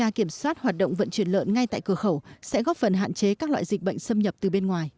kiểm tra kiểm soát hoạt động vận chuyển lợn ngay tại cửa khẩu sẽ góp phần hạn chế các loại dịch bệnh xâm nhập từ bên ngoài